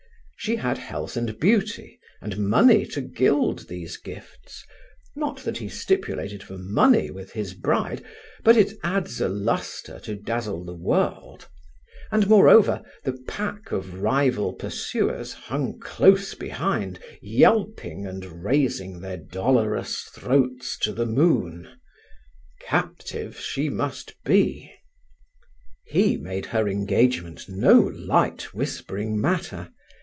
She had health and beauty, and money to gild these gifts; not that he stipulated for money with his bride, but it adds a lustre to dazzle the world; and, moreover, the pack of rival pursuers hung close behind, yelping and raising their dolorous throats to the moon. Captive she must be. He made her engagement no light whispering matter.